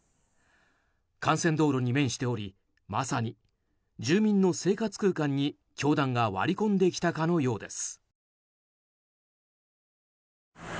幹線道路に面しておりまさに住民の生活空間に、教団が割り込んできたかのようです。